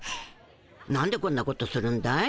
なんでこんなことするんだい？